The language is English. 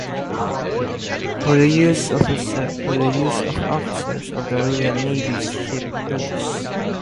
For the use of Officers of the Royal Navy, Shipbuilders.